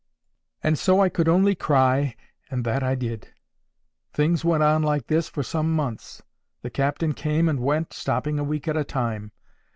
And so I could only cry, and that I did. Things went on like this for some months. The captain came and went, stopping a week at a time.